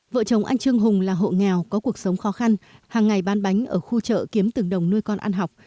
vợ chồng anh trương hùng là hộ nghèo có cuộc sống khó khăn hàng ngày bán bánh ở khu chợ kiếm từng đồng nuôi con ăn học